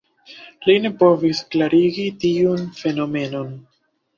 Li ne povis klarigi tiun fenomenon.